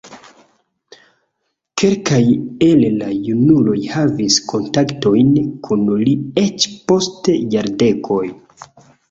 Kelkaj el la junuloj havis kontaktojn kun li eĉ post jardekoj.